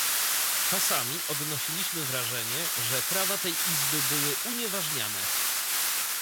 Czasami odnosiliśmy wrażenie, że prawa tej Izby były unieważniane